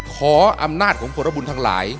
ขออำนาจของผลบุญทั้งหลาย